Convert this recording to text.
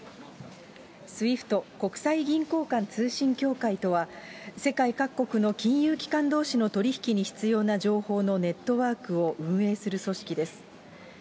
ＳＷＩＦＴ・国際銀行間通信協会とは、世界各国の金融機関どうしの取り引きに必要な情報のネットワークを運営する組織です。